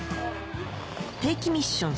定期ミッション